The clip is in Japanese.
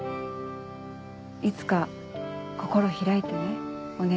いつか心開いてねお姉。